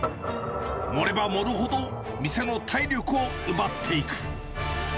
盛れば盛るほど、店の体力を奪っていく。